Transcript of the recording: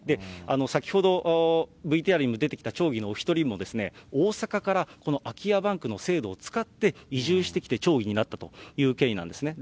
先ほどＶＴＲにも出てきた町議のお一人も、大阪からこの空き家バンクの制度を使って移住してきて町議になったという経緯なんですね。